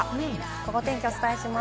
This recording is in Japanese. ゴゴ天気お伝えします。